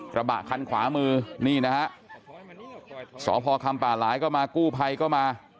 กระบะคันขวามือนี่นะฮะสพคำป่าหลายก็มากู้ภัยก็มา